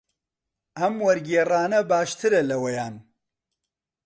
ئەم وەرگێڕانە باشترە لەوەیان.